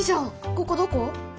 ここどこ？